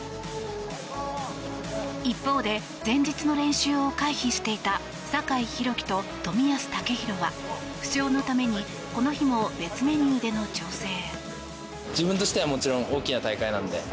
一方で、前日の練習を回避していた酒井宏樹と冨安健洋は負傷のためにこの日も別メニューでの調整。